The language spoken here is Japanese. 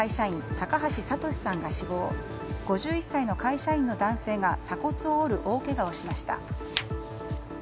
高橋里師さんが死亡５１歳の会社員の男性が鎖骨を折る大けがをしました。